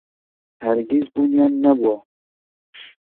هەرگیز بوونیان نەبووە.